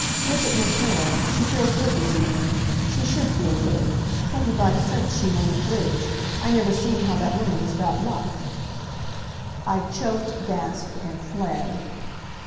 Look at Mis' Miller. She feels good this evening. She should feel good. Twenty five cents she won at bridge. I never seen how that woman is got luck." I choked, gasped, and fled.